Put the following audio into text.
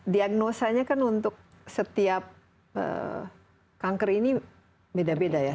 diagnosanya kan untuk setiap kanker ini beda beda ya